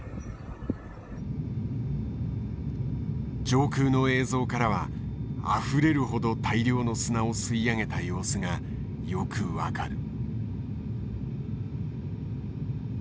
上空の映像からはあふれるほど大量の砂を吸い上げた様子がよく分かる。